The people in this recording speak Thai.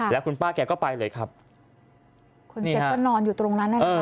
แล้วคุณป้าแกก็ไปเลยครับคนเจ็บก็นอนอยู่ตรงนั้นนะคะ